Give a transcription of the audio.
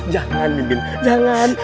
jangan mimin jangan